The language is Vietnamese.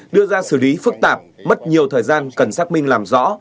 đưa ra xử lý phức tạp mất nhiều thời gian cần xác minh làm rõ